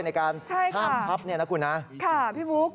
ในการห้ามทับนะคุณฮะใช่ค่ะค่ะพี่บุ๊ค